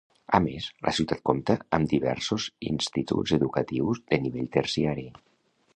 A més, la ciutat compta amb diversos instituts educatius de nivell terciari.